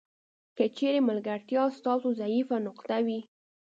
که چیرې ملګرتیا ستاسو ضعیفه نقطه وي.